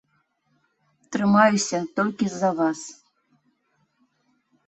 Трымаюся толькі з-за вас.